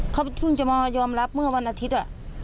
เขาเพิ่งจะมายอมรับเมื่อวันอาทิตย์